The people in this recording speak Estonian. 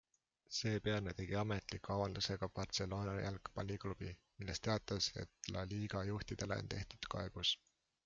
Seepeale tegi ametliku avalduse ka Barcelona jalgpalliklubi, milles teatas, et La Liga juhtidele on tehtud kaebus.